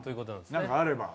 何かあれば。